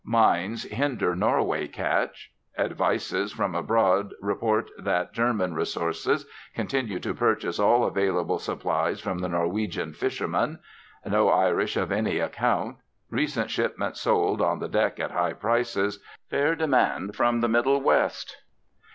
Mines hinder Norway catch. Advices from abroad report that German resources continue to purchase all available supplies from the Norwegian fishermen. No Irish of any account. Recent shipment sold on the deck at high prices. Fair demand from the Middle West."